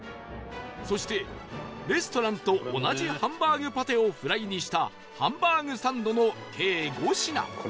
そしてレストランと同じハンバーグパテをフライにしたハンバーグサンドの計５品